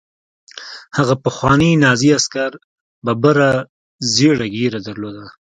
هغه پخواني نازي عسکر ببره زیړه ږیره درلوده